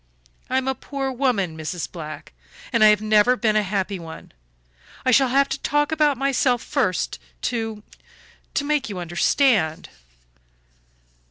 "I am a poor woman, Mrs. Black, and I have never been a happy one. I shall have to talk about myself first to to make you understand."